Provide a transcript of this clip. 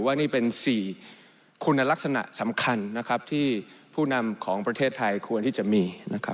ว่านี่เป็น๔คุณลักษณะสำคัญที่ผู้นำของประเทศไทยควรที่จะมี